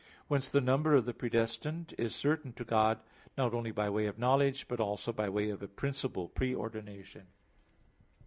Whence the number of the predestined is certain to God; not only by way of knowledge, but also by way of a principal pre ordination.